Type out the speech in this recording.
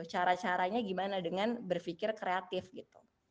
cara caranya gimana dengan berpikir kreatif gitu